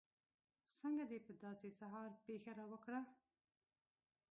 څنګه دې په داسې سهار پېښه راوکړه.